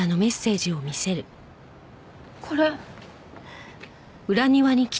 これ。